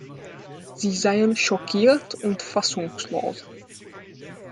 Sie seien „schockiert und fassungslos“.